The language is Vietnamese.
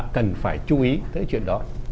cần phải chú ý tới chuyện đó